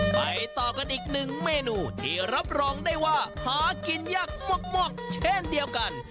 ไปต่อกันอีกหนึ่งเมนูที่รับรองได้ว่าหากินยากมวกเช่นเดียวกัน